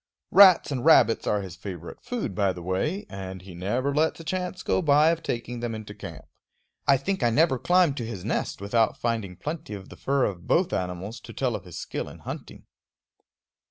Rats and rabbits are his favorite food, by the way, and he never lets a chance go by of taking them into camp. I think I never climbed to his nest without finding plenty of the fur of both animals to tell of his skill in hunting.